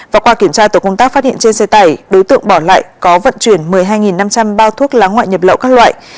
và qua kiểm tra tổ công tác phát hiện trên xe tải đối tượng bỏ lại có vận chuyển một mươi hai năm trăm linh bao thuốc lá ngoại nhập lậu các loại